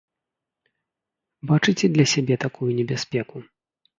Бачыце для сябе такую небяспеку?